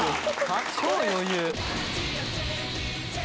超余裕。